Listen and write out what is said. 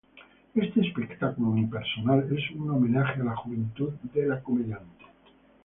Este espectáculo unipersonal es un homenaje a la juventud de la comediante.